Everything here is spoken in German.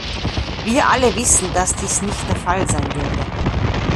Wir alle wissen, dass dies nicht der Fall sein würde.